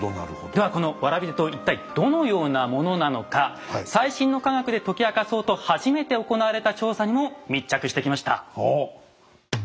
ではこの蕨手刀一体どのようなものなのか最新の科学で解き明かそうと初めて行われた調査にも密着してきました。